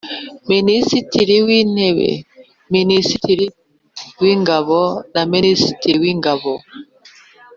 Minisitiri w Intebe , Minisitiri w Ingabo na Minisitiri w ingabo